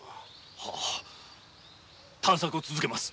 はッ探索を続けます。